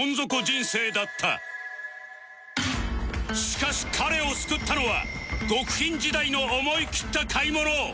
しかし彼を救ったのは極貧時代の思い切った買い物